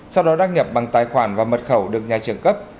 sau đó đăng nhập bằng tài khoản và mật khẩu được nhà trường cấp